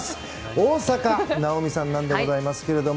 大坂なおみさんでございますけれども。